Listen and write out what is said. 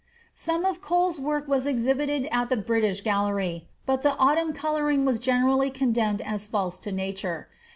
Some of Cole's work was exhibited at the British Gallery, but the autumn coloring was generally condemned as false to nature!